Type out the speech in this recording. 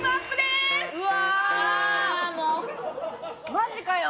マジかよ！